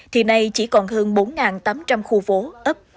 thì nay chỉ còn hơn bốn tám trăm linh khu phố ấp